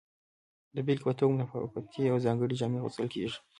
د بیلګې په توګه متفاوتې او ځانګړې جامې اغوستل کیږي.